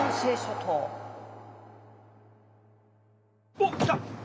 おっきた！